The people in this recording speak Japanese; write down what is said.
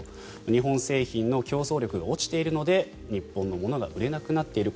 日本製品の競争力が落ちているので日本のものが売れなくなっている。